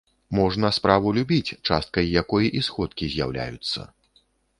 Можна справу любіць, часткай якой і сходкі з'яўляюцца.